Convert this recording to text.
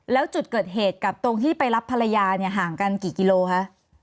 แล้วจุดเกิดเหตุกับตรงที่ไปรับภรรยาเนี่ยห่างกันกี่กิโลคะ